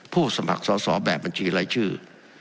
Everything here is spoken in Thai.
สมัครสอบแบบบัญชีรายชื่อ